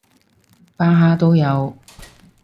巴哈都有